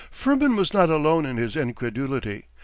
Firmin was not alone in his incredulity.